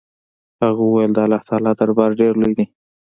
هغه وويل د الله تعالى دربار ډېر لوى دې.